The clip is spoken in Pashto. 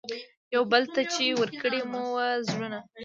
یوه بل ته چي ورکړي مو وه زړونه